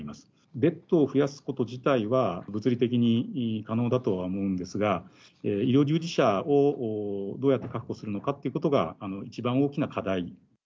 ベッドを増やすこと自体は、物理的に可能だとは思うんですが、医療従事者をどうやって確保するのかってことが一番大きな課題。